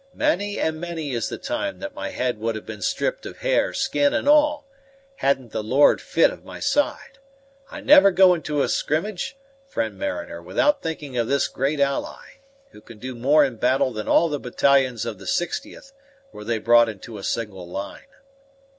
Many and many is the time that my head would have been stripped of hair, skin, and all, hadn't the Lord fi't of my side. I never go into a skrimmage, friend mariner, without thinking of this great ally, who can do more in battle than all the battalions of the 60th, were they brought into a single line."